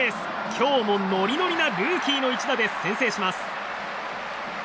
今日もノリノリなルーキーの一打で先制します。